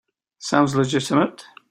Sounds legitimate.